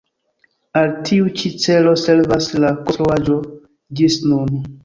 Al tiu ĉi celo servas la konstruaĵo ĝis nun.